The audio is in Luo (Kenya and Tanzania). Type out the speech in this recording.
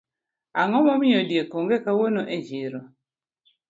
Ango momiyo diek onge kawuono e chiro